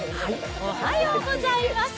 おはようございます。